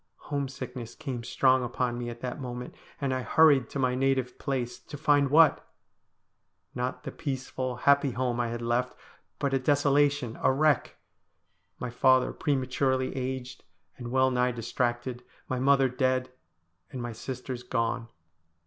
Home sickness came strong upon me at that moment, and I hurried to my native place, to find what ? Not the peaceful, happy home I had left, but a desolation, a wreck. My father prematurely aged and well nigh distracted, my mother dead, and my sisters gone.